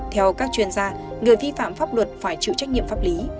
theo các chuyên gia người vi phạm pháp luật phải chịu trách nhiệm pháp lý